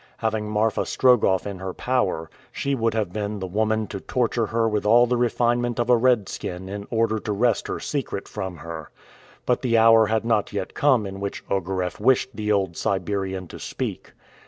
Having Marfa Strogoff in her power, she would have been the woman to torture her with all the refinement of a Redskin in order to wrest her secret from her. But the hour had not yet come in which Ogareff wished the old Siberian to speak.